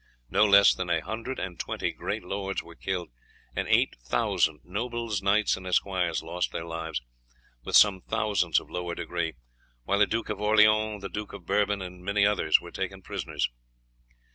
No less than a hundred and twenty great lords were killed, and eight thousand nobles, knights, and esquires lost their lives, with some thousands of lower degree, while the Duke of Orleans, the Duke of Bourbon, and many others were taken prisoners.